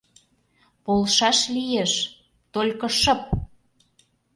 — Полшаш лиеш... только — шып!..